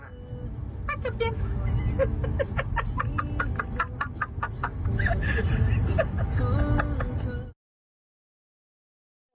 ป้ายทะเบียน